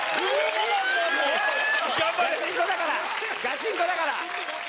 ガチンコだから！